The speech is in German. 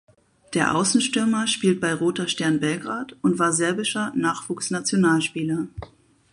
Der Außenstürmer spielt bei Roter Stern Belgrad und war serbischer Nachwuchsnationalspieler.